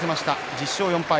１０勝４敗。